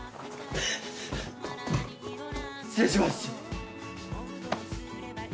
失礼します。